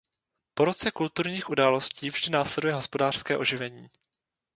Po roce kulturních událostí vždy následuje hospodářské oživení.